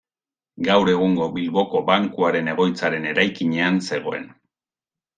Gaur egungo Bilboko Bankuaren egoitzaren eraikinean zegoen.